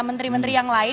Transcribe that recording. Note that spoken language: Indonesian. menteri menteri yang lain